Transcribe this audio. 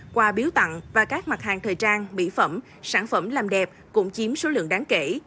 quà biếu tặng và các mặt hàng thời trang mỹ phẩm sản phẩm làm đẹp cũng chiếm số lượng đáng kể